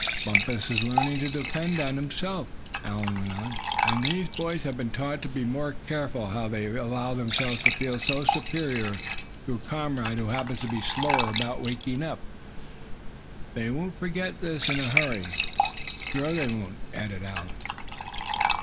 "Bumpus is learning to depend on himself," Allan went on. "And these boys have been taught to be more careful how they allow themselves to feel so superior to a comrade who happens to be slower about waking up. They won't forget this in a hurry." "Sure they won't," added Allan.